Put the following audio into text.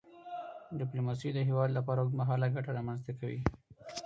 ډیپلوماسي د هیواد لپاره اوږدمهاله ګټه رامنځته کوي.